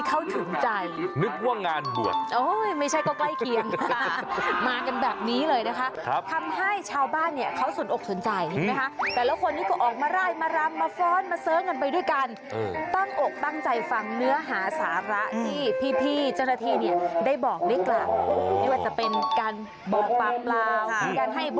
ข้อมูลความรู้ต่างชพบังเขาก็เลยชื่นชอบนะคะ